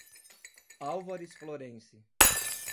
Álvares Florence